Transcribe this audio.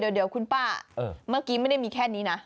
เดี๋ยวคุณป้าเมื่อกี้ไม่ได้มีแค่นี้นะ